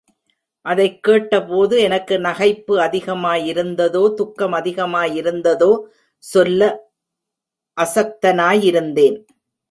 அதைக் கேட்டபோது, எனக்கு நகைப்பு அதிகமாயிருந்ததோ துக்கம் அதிகமாயிருந்ததோ சொல்ல அசக்தனாயிருந்தேன்!